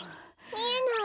みえない。